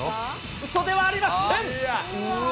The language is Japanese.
うそではありません。